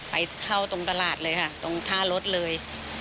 ไปเข้าตรงตลาดเลยค่ะตรงท่ารถเลย